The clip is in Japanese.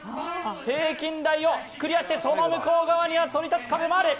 平均台をクリアしてその向こう側にはそり立つ壁もある。